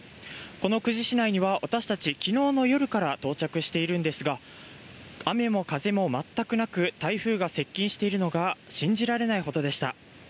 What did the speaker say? この久慈市内には私たち昨日の夜から滞在しているんですが雨も風も全くなく台風が接近しているのが信じられないほどでした。